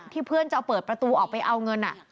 เพื่อนจะเอาเปิดประตูออกไปเอาเงิน